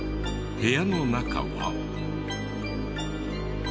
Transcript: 部屋の中は。